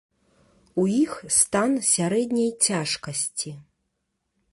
У іх стан сярэдняй цяжкасці.